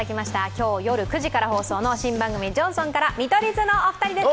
今日夜９時から放送の新番組「ジョンソン」から見取り図のお二人です。